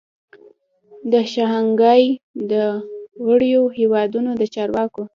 د شانګهای د غړیو هیوادو د چارواکو